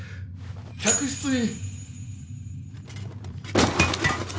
客室に。